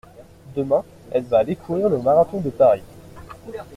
Demain, elle va aller courir le marathon de Paris.